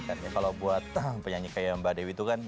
karena kalau buat penyanyi kayak mbak dewi itu kan